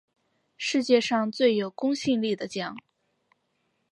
世界上最有公信力的奖